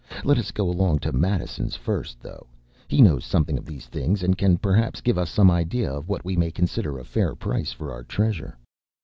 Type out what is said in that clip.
Let us go along to Madison’s first, though; he knows something of these things, and can perhaps give us some idea of what we may consider a fair price for our treasure.